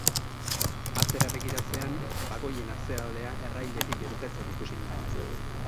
Atzera begiratzean, bagoien atzealdea errailetik irtetzen ikusi nuen.